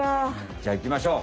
じゃいきましょう！